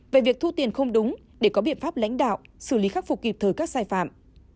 về việc thu tiền không đúng để có biện pháp lãnh đạo xử lý khắc phục kịp thời các sai phạm